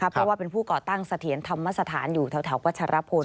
เพราะว่าเป็นผู้ก่อตั้งเสถียรธรรมสถานอยู่แถววัชรพล